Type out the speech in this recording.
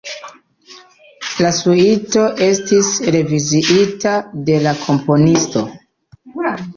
La suito estis reviziita de la komponisto.